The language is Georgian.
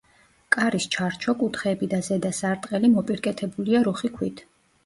კარის ჩარჩო, კუთხეები და ზედა სარტყელი მოპირკეთებულია რუხი ქვით.